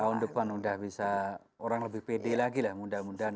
tahun depan sudah bisa orang lebih pede lagi lah mudah mudahan